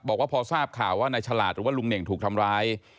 บอกว่าพอทราบข่าวว่าลุงหุ่นเหน่งถูกทำร้าย